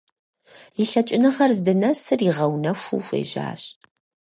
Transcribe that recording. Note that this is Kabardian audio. И лъэкӀыныгъэр здынэсыр игъэунэхуу хуежьащ.